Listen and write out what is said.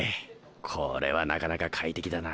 これはなかなか快適だな。